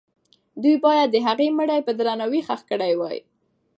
دوی باید د هغې مړی په درناوي ښخ کړی وای.